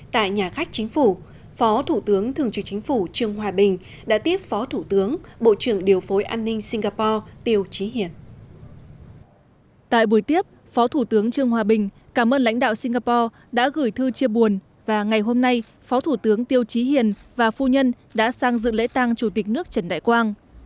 tại buổi tiếp phó thủ tướng trương hòa bình cảm ơn lãnh đạo singapore đã gửi thư chia buồn và ngày hôm nay phó thủ tướng tiêu trí hiền và phu nhân đã sang dự lễ tang chủ tịch nước trần đại quang